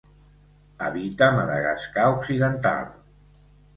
Habita Madagascar occidental.